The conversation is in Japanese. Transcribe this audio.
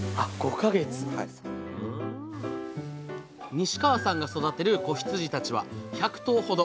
西川さんが育てる子羊たちは１００頭ほど。